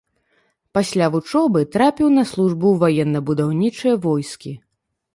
Пасля вучобы трапіў на службу ў ваенна-будаўнічыя войскі.